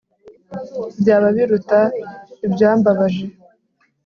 Byaba biruta ibyambabaje